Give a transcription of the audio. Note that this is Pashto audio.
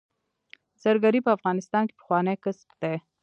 زرګري په افغانستان کې پخوانی کسب دی